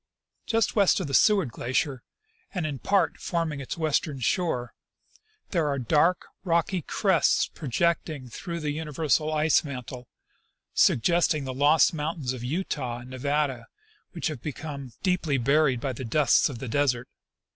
" Just west of the Seward glacier, and in part forming its west ern shore, there are dark, rocky crests projecting through the universal ice mantle, suggesting the lost mountains of Utah and Nevada which have become deeply buried by the dusts of the desert.